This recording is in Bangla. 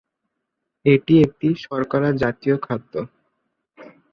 এটি একটি শর্করা জাতীয় খাদ্য।